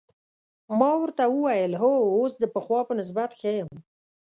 ما ورته وویل: هو، اوس د پخوا په نسبت ښه یم.